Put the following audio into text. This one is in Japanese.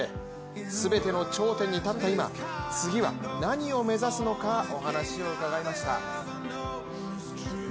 全ての頂点に立った今、次は何を目指すのかお話を伺いました。